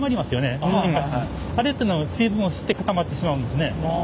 あれっていうのは水分を吸って固まってしまうんですね。